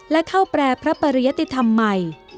และเข้าแปรพระปริยติธรรมใหม่